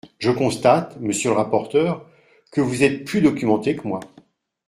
Je constate, monsieur le rapporteur, que vous êtes plus documenté que moi.